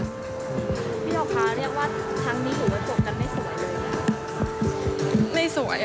พี่หอค้าเรียกว่าทั้งนี้หรือว่าจบกันไม่สวยเลย